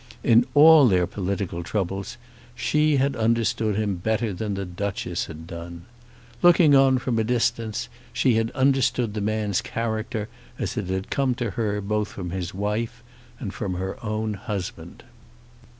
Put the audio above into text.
In all their political troubles, she had understood him better than the Duchess had done. Looking on from a distance she had understood the man's character as it had come to her both from his wife and from her own husband.